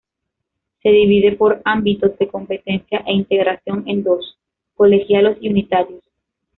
Se divide por ámbitos de competencia e integración en dos: Colegiados y Unitarios.